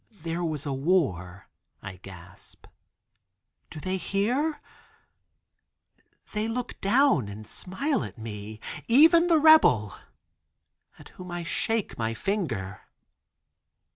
"There was a war," I gasp. "Do they hear? They look down and smile at me, even the rebel, at whom I shake my finger."